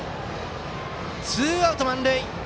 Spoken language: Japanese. ツーアウト満塁。